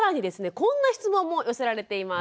こんな質問も寄せられています。